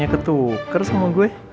mampus tuh keras sama gue